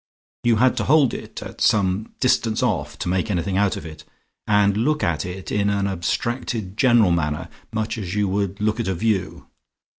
You had to hold it at some distance off to make anything out of it, and look at it in an abstracted general manner much as you would look at a view.